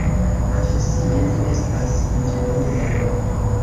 Profesie li estas inĝeniero.